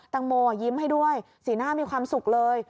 ตังโมยิ้มให้ด้วยสีหน้ามีความสุขเลย